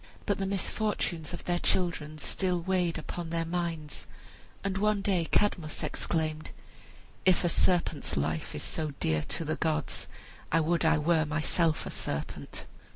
But the misfortunes of their children still weighed upon their minds; and one day Cadmus exclaimed, "If a serpent's life is so dear to the gods, I would I were myself a serpent."